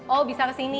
oh bisa kesini